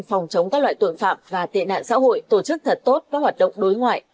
phòng chống các loại tội phạm và tệ nạn xã hội tổ chức thật tốt các hoạt động đối ngoại